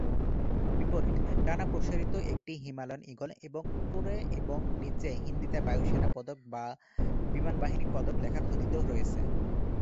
বিপরীত: ডানা প্রসারিত একটি হিমালয়ান ঈগল এবং উপরে এবং নীচে হিন্দিতে "বায়ু সেনা পদক" বা "বিমানবাহিনী/পদক" লেখা খোদিত রয়েছে।